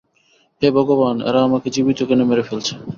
হে ভগবান এরা আমাকে জীবিত কেন মেরে ফেলছে?